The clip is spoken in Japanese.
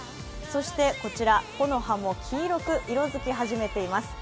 そしてこちら、木の葉も黄色く色づき始めています。